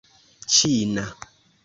ĉina